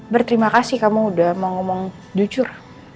berterima kasih kamu udah mau ngomong jujur